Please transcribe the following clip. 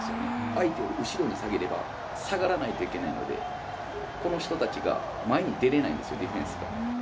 相手を後ろに下げれば、下がらないといけないので、この人たちが前に出れないんですよ、ディフェンスが。